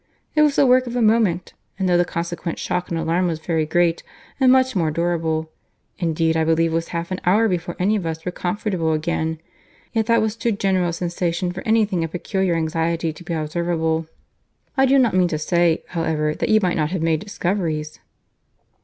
—It was the work of a moment. And though the consequent shock and alarm was very great and much more durable—indeed I believe it was half an hour before any of us were comfortable again—yet that was too general a sensation for any thing of peculiar anxiety to be observable. I do not mean to say, however, that you might not have made discoveries."